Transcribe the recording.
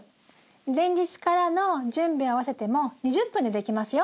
前日からの準備を合わせても２０分で出来ますよ。